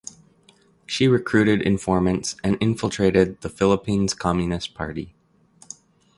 She recruited informants and infiltrated the Philippines Communist Party.